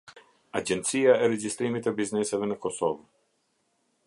Agjencia e Regjistrimit të Bizneseve në Kosovë.